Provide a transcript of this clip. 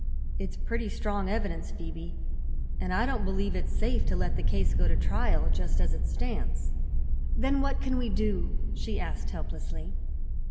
"It's pretty strong evidence, Phoebe, and I don't believe it's safe to let the case go to trial just as it stands." "Then what can we do?" she asked helplessly.